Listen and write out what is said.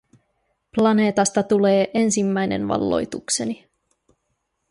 Planeetasta tulee ensimmäinen valloitukseni.